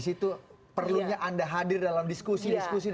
jadi itu perlunya anda hadir dalam diskusi diskusi